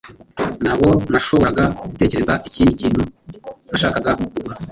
Ntabwo nashoboraga gutekereza ikindi kintu nashakaga kugura